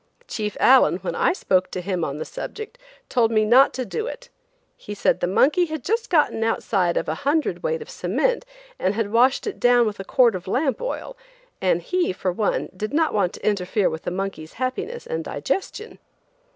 Chief Allen, when I spoke to him on the subject, told me not to do it. He said the monkey had just gotten outside of a hundred weight of cement, and had washed it down with a quart of lamp oil, and he, for one, did not want to interfere with the monkey's happiness and digestion!